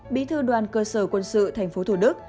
bí thư đoàn cơ sở quân sự tp thủ đức